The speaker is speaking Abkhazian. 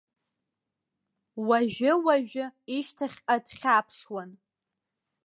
Уажәы-уажә ишьҭахьҟа дхьаԥшуан.